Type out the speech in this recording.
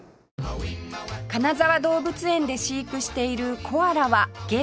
金沢動物園で飼育しているコアラは現在６頭